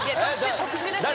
特殊ですよ。